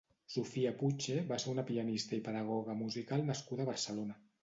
Sofia Puche va ser una pianista i pedagoga musical nascuda a Barcelona.